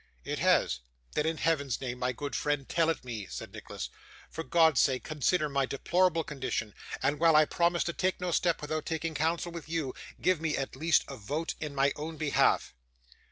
'It has.' 'Then in Heaven's name, my good friend, tell it me,' said Nicholas. 'For God's sake consider my deplorable condition; and, while I promise to take no step without taking counsel with you, give me, at least, a vote in my own behalf.